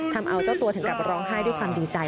ทำเอาเจ้าตัวถึงกับร้องไห้ด้วยความดีใจ